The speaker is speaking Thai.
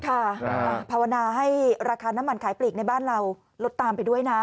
ภาวนาให้ราคาน้ำมันขายปลีกในบ้านเราลดตามไปด้วยนะ